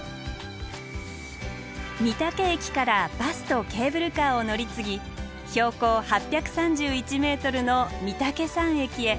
御嶽駅からバスとケーブルカーを乗り継ぎ標高８３１ｍの御岳山駅へ。